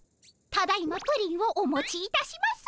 ただいまプリンをお持ちいたします。